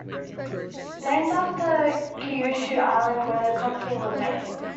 Named after Kyushu island where the company was based.